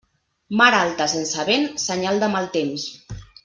Mar alta sense vent, senyal de mal temps.